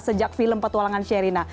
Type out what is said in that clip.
sejak film petualangan sherina